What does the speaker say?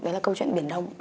đấy là câu chuyện biển đông